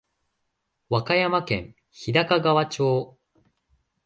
和歌山県日高川町